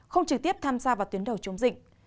không trực tiếp tham gia vào tuyến đầu chống dịch